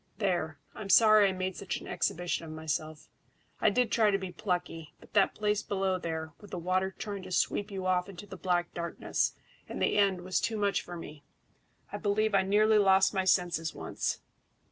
There, I'm sorry I made such an exhibition of myself. I did try to be plucky; but that place below there, with the water trying to sweep you off into the black darkness and the end, was too much for me. I believe I nearly lost my senses once.